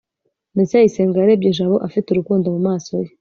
ndacyayisenga yarebye jabo afite urukundo mumaso ye